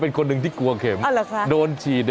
โอ้โฮโอ้โฮ